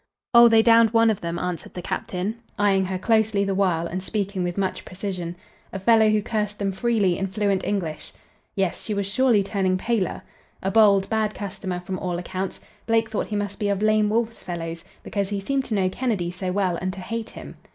"Oh, they downed one of them," answered the captain, eying her closely the while and speaking with much precision, "a fellow who cursed them freely in fluent English." Yes, she was surely turning paler. "A bold, bad customer, from all accounts. Blake thought he must be of Lame Wolf's fellows, because he seemed to know Kennedy so well and to hate him.